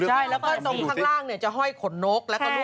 แล้วก็ตรงข้างล่างเนี่ยจะห้อยขนโน๊กแล้วก็รูปปัตต์